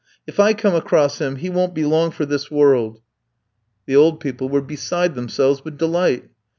If I come across him he won't be long for this world.' "The old people were beside themselves with delight.